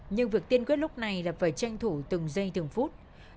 nhưng việc tiên quyết lúc này là phải tranh thủ từng giây từng phút